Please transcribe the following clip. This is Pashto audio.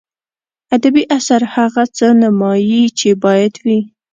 ادبي اثر هغه څه نمایي چې باید وي.